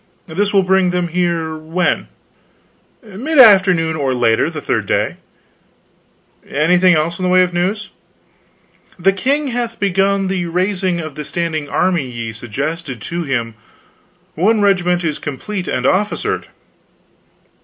"This will bring them here when?" "Mid afternoon, or later, the third day." "Anything else in the way of news?" "The king hath begun the raising of the standing army ye suggested to him; one regiment is complete and officered."